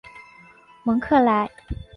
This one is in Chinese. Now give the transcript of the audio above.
蒙克莱。